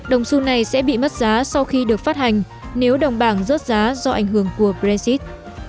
đồng su này sẽ bị mất giá sau khi được phát hành nếu đồng bảng rớt giá do ảnh hưởng của brexit